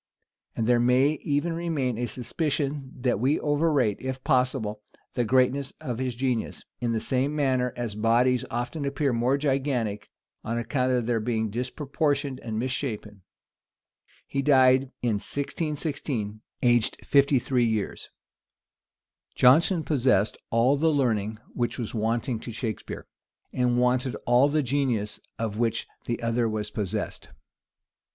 [*] And there may even remain a suspicion, that we overrate, if possible, the greatness of his genius; in the same manner as bodies often appear more gigantic, on account of their being disproportioned and misshapen. He died in 1616, aged fifty three years. * Invenire etiam barbari solent, disponere et ornare non nisi eruditus. PLIN Jonson possessed all the learning which was wanting to Shakspeare, and wanted all the genius of which the other was possessed.